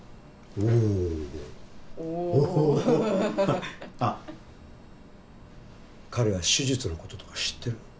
おおあっ彼は手術のこととか知ってる？